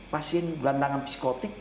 pasien gelandangan psikotik